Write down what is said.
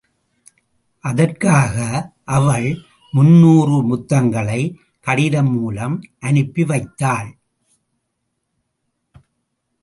அதற்காக அவள் முன்னூறு முத்தங்களை கடிதம் மூலம் அனுப்பி வைத்தாள்.